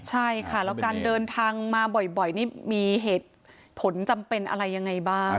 ใช่ค่ะแล้วการเดินทางมาบ่อยนี่มีเหตุผลจำเป็นอะไรยังไงบ้าง